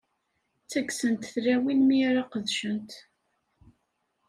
Ttaggsent tlawin mi ara qeddcent.